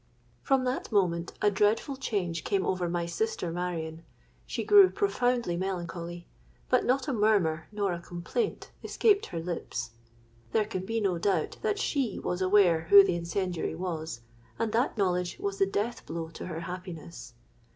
"From that moment a dreadful change came over my sister Marion. She grew profoundly melancholy; but not a murmur nor a complaint escaped her lips. There can be no doubt that she was aware who the incendiary was; and that knowledge was the death blow to her happiness.